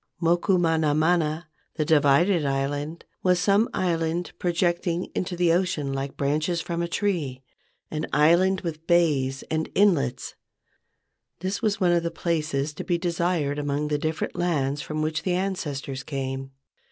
Moku mana mana (the divided island) was some island projecting into the ocean like branches from a tree, an island with bays and inlets. This was one of the places to be desired among the different lands from which the ancestors came.